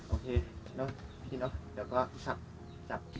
โอเคน่ะพี่น้องเดี๋ยวก็พี่สับสับ